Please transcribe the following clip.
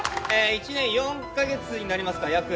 １年４か月になりますか約。